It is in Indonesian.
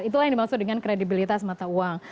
itulah yang dimaksud dengan kredibilitas mata uang